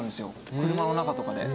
車の中とかで。